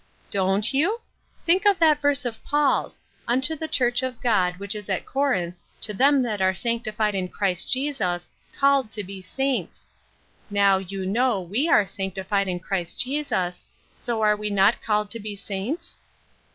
" BonH you ? Think of that verse of Paul's, * Unto the Church of God, which is at Corinth, to them that are sanctified in Christ Jesus, called to he saints,^ Now, you know we are sanctified in Christ Jesus, so are we not called to be saints